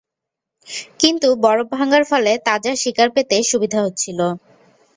কিন্তু বরফ ভাঙার ফলে তাজা শিকার পেতে সুবিধা হচ্ছিল।